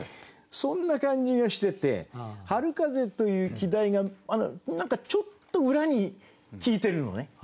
そんな感じがしてて「春風」という季題が何かちょっと裏に効いてるのね。